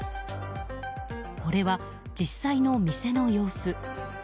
これは実際の店の様子。